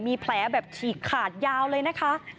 มีแผลแบบฉีกขาดยาวเลยนะคะ